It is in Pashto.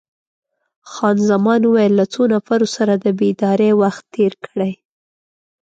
خان زمان وویل: له څو نفرو سره د بېدارۍ وخت تیر کړی؟